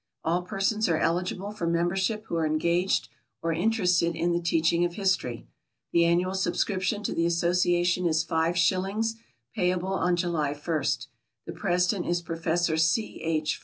All persons are eligible for membership who are engaged or interested in the teaching of history. The annual subscription to the Association is five shillings, payable on July 1st. The president is Professor C. H.